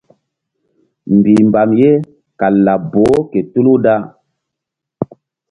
Mbihmbam ye kal laɓ boh ke tulu da.